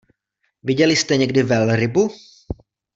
Viděli jste někdy velrybu?